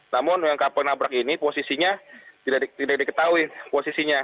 namun yang kapal nabrak ini posisinya tidak diketahui posisinya